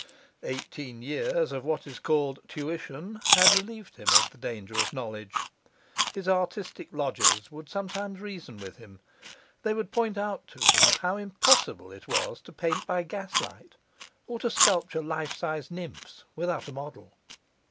Eighteen years of what is called 'tuition' had relieved him of the dangerous knowledge. His artist lodgers would sometimes reason with him; they would point out to him how impossible it was to paint by gaslight, or to sculpture life sized nymphs without a model.